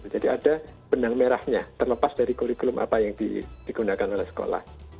jadi ada benang merahnya terlepas dari kurikulum apa yang digunakan oleh sekolah